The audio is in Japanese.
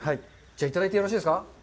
じゃあ、いただいてよろしいですか。